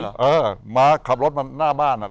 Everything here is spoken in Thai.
เออมาขับรถมาหน้าบ้านอ่ะ